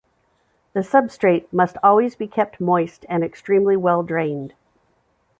The substrate must always be kept moist and extremely well drained.